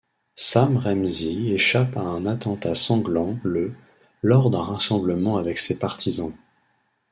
Sam Rainsy échappe à un attentat sanglant le lors d'un rassemblement avec ses partisans.